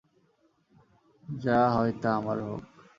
যা হয় তা আমার হোক।